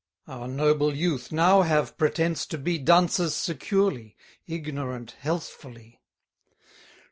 Our noble youth now have pretence to be Dunces securely, ignorant healthfully.